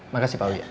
makasih pak uya